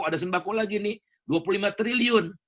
ada sembako lagi nih dua puluh lima triliun